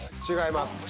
違います。